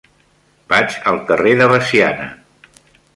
Vaig al carrer de Veciana.